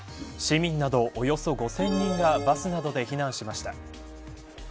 市民など、およそ５０００人がバスなどで避難しました。